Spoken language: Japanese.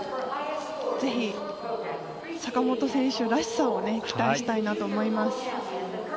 ぜひ、坂本選手らしさを期待したいなと思います。